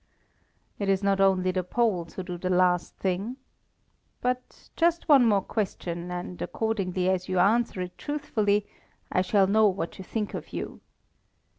"It is not only the Poles who do the last thing. But just one more question, and accordingly as you answer it truthfully I shall know what to think of you.